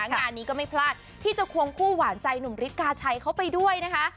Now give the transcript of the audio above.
งานนี้ก็ไม่พลาดที่จะควงคู่หวานใจหนุ่มฤทธิกาชัยเขาไปด้วยนะคะ